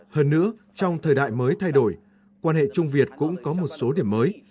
hơn nữa trong thời đại mới thay đổi quan hệ trung việt cũng có một số điểm mới